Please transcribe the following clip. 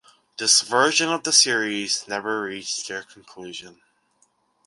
This version of the series never reached their conclusion.